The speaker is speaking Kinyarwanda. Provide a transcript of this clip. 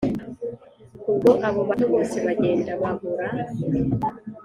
ubwo abo bato bose bagenda babura